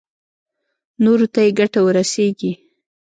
نورو ته يې ګټه ورسېږي.